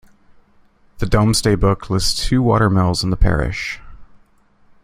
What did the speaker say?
The Domesday Book lists two water mills in the parish.